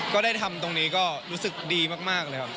ก็ได้ทำตรงนี้ก็รู้สึกดีมากเลยครับ